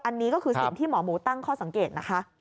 อันนี้ก็คือสิ่งที่หมอหมูตั้งข้อสังเกตนะคะ